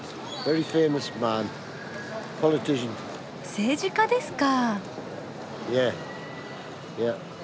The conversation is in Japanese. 政治家ですか。